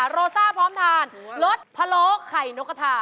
โรซ่าพร้อมทานรสพะโล้ไข่นกกระทา